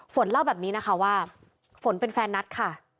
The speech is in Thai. เล่าแบบนี้นะคะว่าฝนเป็นแฟนนัทค่ะ